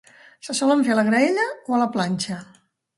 Se solen fer a la graella o a la planxa.